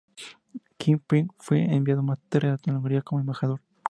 Kim Pyong-il fue enviado más tarde a Hungría como embajador.